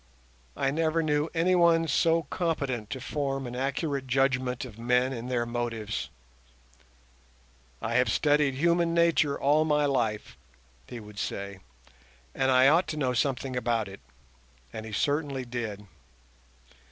I never knew any one so competent to form an accurate judgment of men and their motives. "I have studied human nature all my life," he would say, "and I ought to know something about it," and he certainly did.